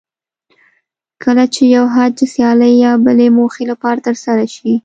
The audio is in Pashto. کله چې یو حج د سیالۍ یا بلې موخې لپاره ترسره شي.